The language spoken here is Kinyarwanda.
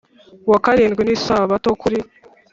wa karindwi ni isabato Kuri